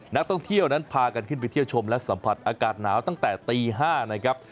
นักท่องเที่ยวนั้นพากันขึ้นไปเที่ยวชมและสัมผัสอากาศหนาวตั้งแต่ตี๕นะครับ